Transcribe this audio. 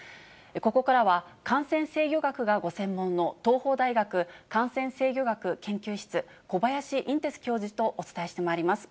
ここからは、感染制御学がご専門の東邦大学感染制御学研究室、小林寅てつ教授とお伝えしてまいります。